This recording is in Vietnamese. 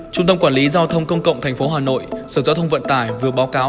trung tâm quản lý giao thông công cộng tp hà nội sở giao thông vận tải vừa báo cáo